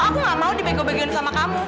aku gak mau dibeg begian sama kamu